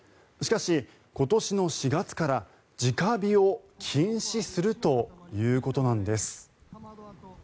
しかし、今年の４月から直火を禁止するということなんです。